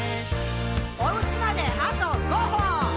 「おうちまであと５歩！」